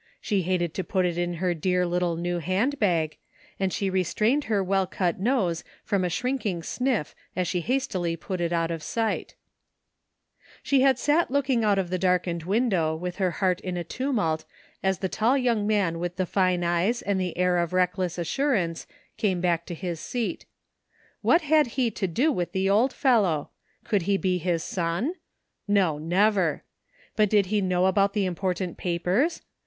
She hated to put it in her dear little new handbag, and she 24 THE FINDING OF JASPER HOLT restrained her well cut nose from a shrinking sniff as she hastily put it out of sight She had sat looking out of the darkened window with her heart in a tumult as the tall yoimg man with the fine eyes and the air of reckless assurance came back to his seat What had he to do with the old fellow ? Could he be his son? No, never 1 But did he know about the important papers?